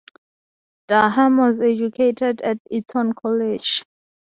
Durham was educated at Eton College.